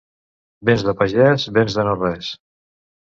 Béns de pagès, béns de no res.